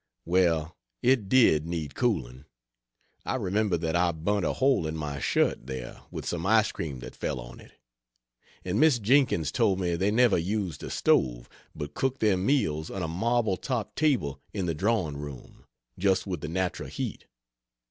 Well it did need cooling; I remember that I burnt a hole in my shirt, there, with some ice cream that fell on it; and Miss Jenkins told me they never used a stove, but cooked their meals on a marble topped table in the drawing room, just with the natural heat.